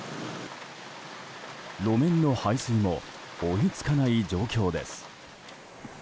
路面の排水も追いつかない状況です。